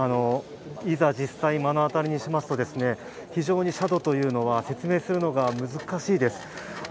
いざ実際、目の当たりにしますと、非常に斜度は、説明するのが難しいです。